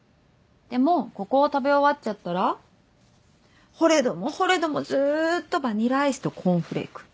でもここを食べ終わっちゃったら掘れども掘れどもずっとバニラアイスとコーンフレーク。